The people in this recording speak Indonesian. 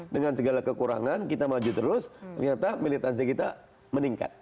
dengan segala kekurangan kita maju terus ternyata militansi kita meningkat